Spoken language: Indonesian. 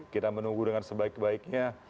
kita menunggu dengan sebaik baiknya